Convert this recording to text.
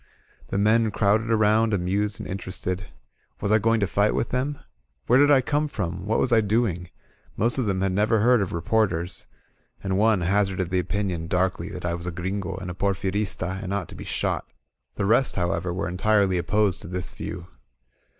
The men crowded around, amused and interested. Was I going to fight with them? Where did I come from? What was I doing? Most of them had never heard of re porters, and one hazarded the opinion darkly that I was a Gringo and a Porfirista, and ought to be shot. The rest, however, were entirely opposed to this view.